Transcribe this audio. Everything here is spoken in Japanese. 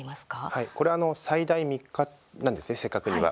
はい、これは最大３日なんですね、正確には。